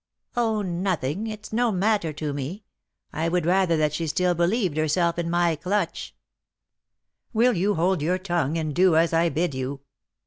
"Oh, nothing; it's no matter to me; I would rather that she still believed herself in my clutch " "Will you hold your tongue, and do as I bid you?"